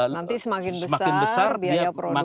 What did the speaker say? nanti semakin besar biaya produksi akan semakin